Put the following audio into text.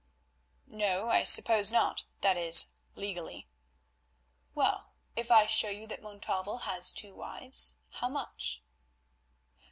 "No, I suppose not—that is, legally." "Well, if I show you that Montalvo has two wives, how much?"